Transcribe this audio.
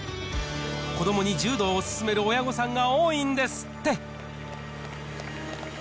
子どもに柔道を勧める親御さんが多いんですって。